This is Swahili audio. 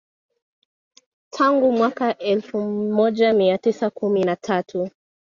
Tangu mwaka elfu moja mia tisa kumi na tatu